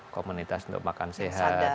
komunitas untuk makan sehat